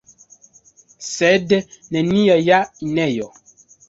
Sed nenia ja, Injo!